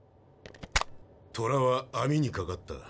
トラは網にかかった。